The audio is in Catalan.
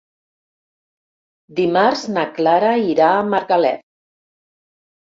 Dimarts na Clara irà a Margalef.